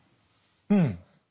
うん。